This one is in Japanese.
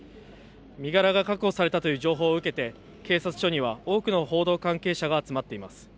身柄が確保されたという情報を受けて警察署には多くの報道関係者が集まっています。